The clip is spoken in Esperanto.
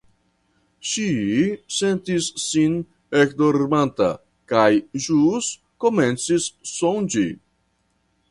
Ŝi sentis sin ekdormanta, kaj ĵus komencis sonĝi.